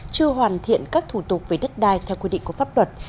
chưa hoàn thiện các thủ tục về đất đai theo quy định của pháp luật